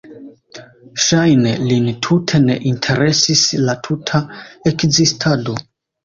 Ŝajne lin tute ne interesis la tuta ekzistado.